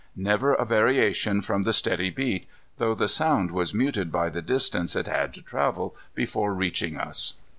Never a variation from the steady beat, though the sound was muted by the distance it had to travel before reaching us.